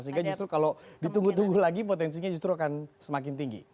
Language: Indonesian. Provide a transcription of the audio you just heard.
sehingga justru kalau ditunggu tunggu lagi potensinya justru akan semakin tinggi